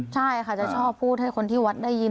ใช่ค่ะจะชอบพูดให้คนที่วัดได้ยิน